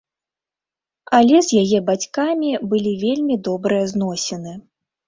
Але з яе бацькамі былі вельмі добрыя зносіны.